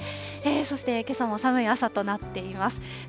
そしてけさも寒い朝となっています。